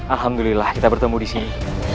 alhamdulillah kita bertemu disini